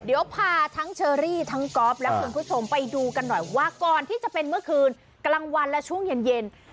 เดี๋ยวพาทั้งเชอรี่ทั้งก๊อฟและคุณผู้ชมไปดูกันหน่อยว่าก่อนที่จะเป็นเมื่อคืนกลางวันและช่วงเย็น